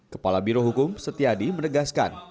kepala birohukum setiadi menegaskan